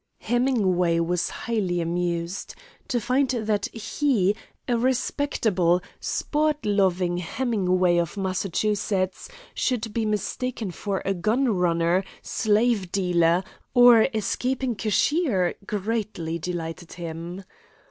Hemingway was highly amused. To find that he, a respectable, sport loving Hemingway of Massachusetts, should be mistaken for a gun runner, slave dealer, or escaping cashier greatly delighted him.